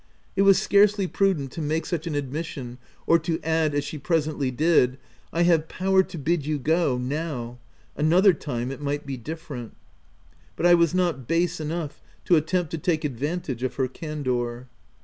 It was scarcely prudent to make such an admission, or to add — as she presently did —" I have power to bid you go, now : another time it might be different/ 5 — but I w r as not base enough to attempt to take advantage of her candour.